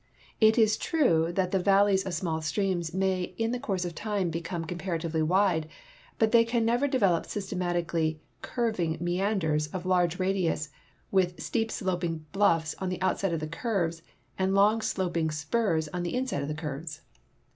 It is true that the valleys of small streams may in the course of time become compara tively wide, but the}^ can never develop S3'stematically curv ing meanders of large radius with steep sloping bluffs on the 'outside of the curves and long sloi»ing spurs on the inside of the curves.